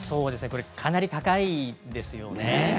これ、かなり高いですよね。